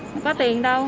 không có tiền đâu